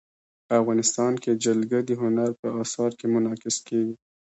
افغانستان کې جلګه د هنر په اثار کې منعکس کېږي.